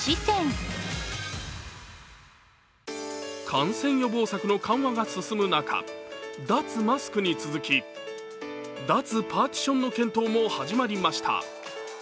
感染予防策の緩和が続く中、脱マスクに続き脱パーティションの検討も始まりました。